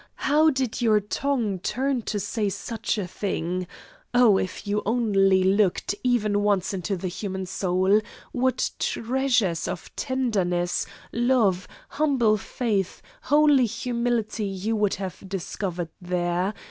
How did your tongue turn to say such a thing? Oh, if you only looked even once into the human soul! What treasures of tenderness, love, humble faith, holy humility, you would have discovered there!